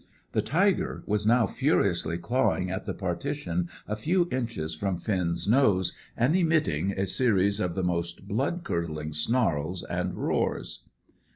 The tiger was now furiously clawing at the partition a few inches from Finn's nose, and emitting a series of the most blood curdling snarls and roars.